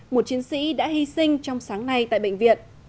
một chiến sĩ đã hy sinh trong sáng nay tại bệnh viện